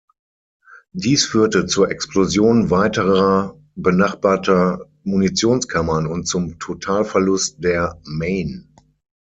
Dies führte zur Explosion weiterer benachbarter Munitionskammern und zum Totalverlust der "Maine".